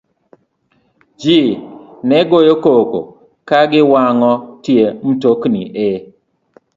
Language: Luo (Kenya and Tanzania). Ji ne goyo koko ka giwang'o tie mtokni e